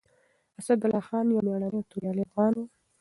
اسدالله خان يو مېړنی او توريالی افغان و.